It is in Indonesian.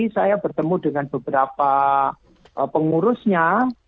saya bertemu dengan beberapa pengurusnya